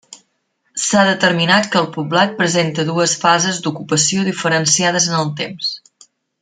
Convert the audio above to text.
S'ha determinat que el poblat presenta dues fases d'ocupació diferenciades en el temps.